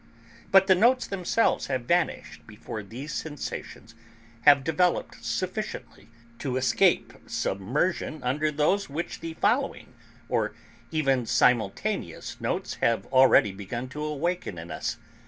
But the notes themselves have vanished before these sensations have developed sufficiently to escape submersion under those which the following, or even simultaneous notes have already begun to awaken in us.